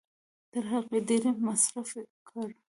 تر هغې ډېر مصرف کړو